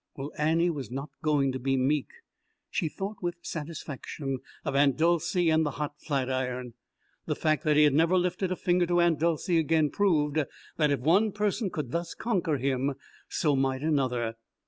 Well, Annie was not going to be meek. She thought with satisfaction of Aunt Dolcey and the hot flatiron. The fact that he had never lifted finger to Aunt Dolcey again proved that if one person could thus conquer him, so might another.